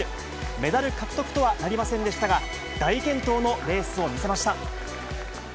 メダル獲得とはなりませんでしたが、大健闘のレースを見せました。